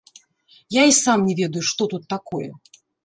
Я і сам не ведаю, што тут такое.